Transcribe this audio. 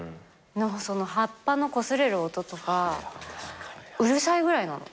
葉っぱのこすれる音とかうるさいぐらいなの。